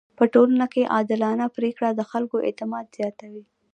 په ټولنه کي عادلانه پریکړه د خلکو اعتماد زياتوي.